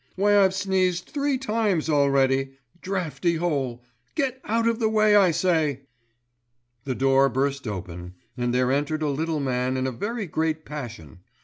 Why I've sneezed three times already. Draughty hole! Get out of the way I say." The door burst open and there entered a little man in a very great passion.